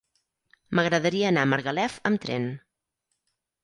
M'agradaria anar a Margalef amb tren.